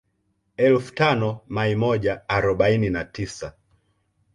Elfu tano mai moja arobaini na tisa